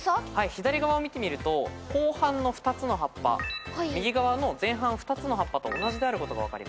左側を見てみると後半の２つの葉っぱ右側の前半２つの葉っぱと同じであることが分かります。